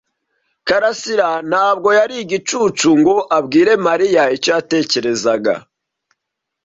karasira ntabwo yari igicucu ngo abwire Mariya icyo yatekerezaga.